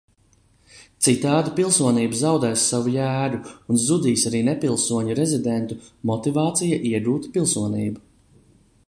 Citādi pilsonība zaudēs savu jēgu, un zudīs arī nepilsoņu rezidentu motivācija iegūt pilsonību.